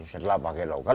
setelah pakai tongkat